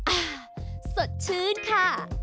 อ่าสดชื่นค่ะ